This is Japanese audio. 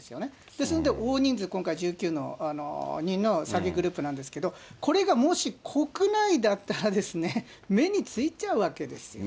ですので、大人数、今回１９人の詐欺グループなんですけど、これがもし国内だったらですね、目についちゃうわけですよね。